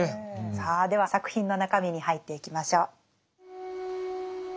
さあでは作品の中身に入っていきましょう。